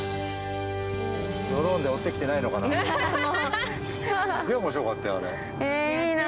ドローンで追ってきてないのかな？